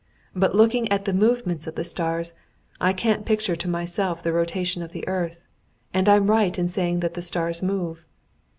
"But looking at the movements of the stars, I can't picture to myself the rotation of the earth, and I'm right in saying that the stars move.